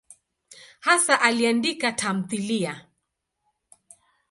Hasa aliandika tamthiliya.